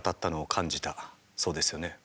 そうですよね？